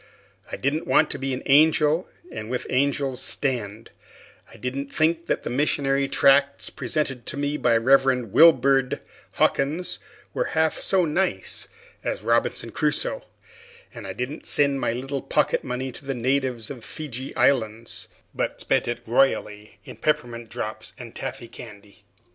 I didn't want to be an angel and with the angels stand; I didn't think the missionary tracts presented to me by the Rev. Wibird Hawkins were half so nice as Robinson Crusoe; and I didn't send my little pocket money to the natives of the Feejee Islands, but spent it royally in peppermint drops and taffy candy.